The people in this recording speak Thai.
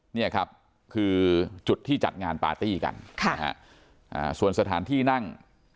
เนี่ยครับคือจุดที่จัดงานปาร์ตี้กันค่ะนะฮะส่วนสถานที่นั่ง